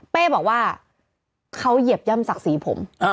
เป้บอกว่าเขาเหยียบย่ำศักดิ์ศรีผม